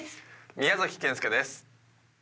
宮崎謙介です。